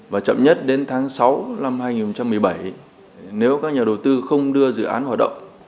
và chậm nhất đến tháng sáu năm hai nghìn một mươi bảy nếu các nhà đầu tư không đưa dự án hoạt động